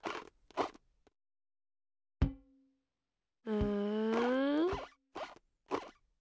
うん？